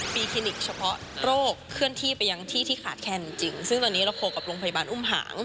มีคลินิกเฉพาะโรคเคลื่อนที่ไปยังที่ที่ขาดแคนจริงซึ่งตอนนี้เราโคกับโรงพยาบาลอุ้มหาง